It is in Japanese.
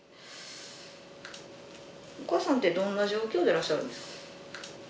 お母さんってどんな状況でいらっしゃるんですか？